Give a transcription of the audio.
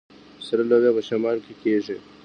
سره لوبیا په شمال کې کیږي.